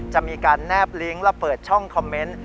จะมีการแนบลิงก์และเปิดช่องคอมเมนต์